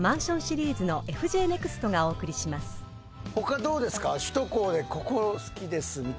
他どうですか？